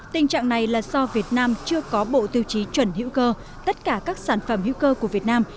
tình trạng này là do việt nam chưa có bộ tiêu chí chuẩn hữu cơ tất cả các sản phẩm hữu cơ của việt nam